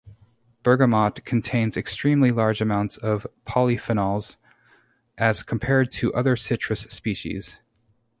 Bergamot contains extremely large amounts of polyphenols, as compared to other citrus species.